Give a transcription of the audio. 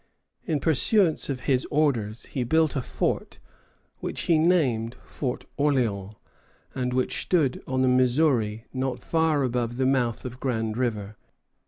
In pursuance of his orders he built a fort, which he named Fort Orléans, and which stood on the Missouri not far above the mouth of Grand River.